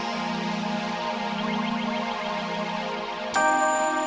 tapi dariiberikannya aku akan messenger report buat kauy kaul sekarang